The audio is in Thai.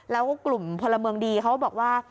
แล้วก็กลุ่มพลเมืองดีเขาบอกว่า